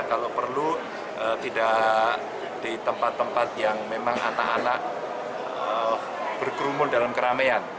kalau perlu tidak di tempat tempat yang memang anak anak berkerumun dalam keramaian